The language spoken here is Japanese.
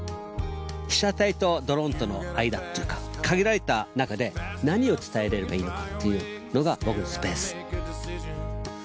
被写体とドローンとの間っていうか限られた中で何を伝えられればいいのかっていうのが僕のスペース。